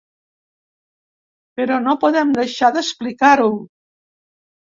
Però no podem deixar d'explicar-ho!